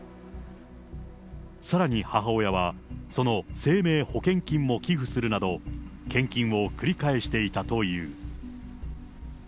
さらに母親は、その生命保険金も寄付するなど、献金を繰り返していたという。